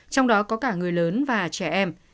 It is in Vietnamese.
trong đó có cả người lớn và trẻ em